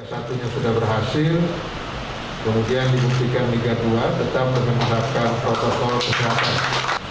liga satu sudah berhasil kemudian diberikan liga dua tetap mengembangkan protokol keselamatan